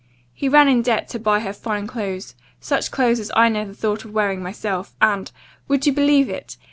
He ran in debt to buy her fine clothes, such clothes as I never thought of wearing myself, and would you believe it?